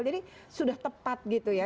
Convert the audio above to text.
jadi sudah tepat gitu ya